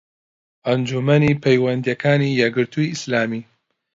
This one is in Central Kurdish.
ئەنجومەنی پەیوەندییەکانی یەکگرتووی ئیسلامی